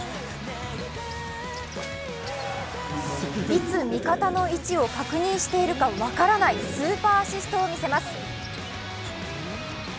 いつ味方の位置を確認しているか分からないスーパーアシストを見せます。